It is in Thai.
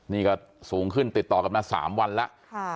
นี่ก็สูงขึ้นติดต่อกันมา๓วันแล้ว